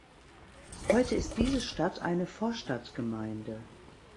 Heute ist diese Stadt eine Vorstadtgemeinde.